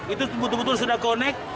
itu betul betul sudah connect